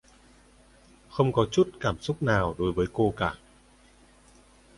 Không có chút cảm xúc nào đối với cô cả